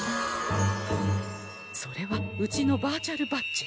それはうちのバーチャルバッジ！